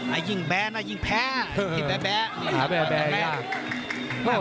ไอ้ยิ่งแบ้นไอ้ยิ่งแพ้ไอ้ยิ่งแบ๊บแบ๊บ